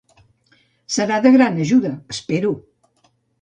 Serà de gran ajuda, espero.